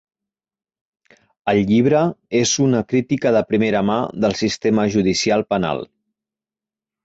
El llibre és una crítica de primera mà del sistema judicial penal.